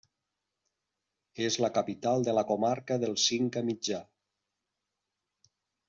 És la capital de la comarca del Cinca Mitjà.